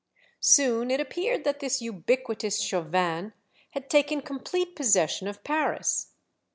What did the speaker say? ^ Soon it appeared that this ubiquitous Chauvin had taken complete possession of Paris.